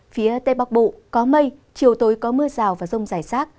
phía tây bắc bộ có mây chiều tối có mưa rào và rông giải sát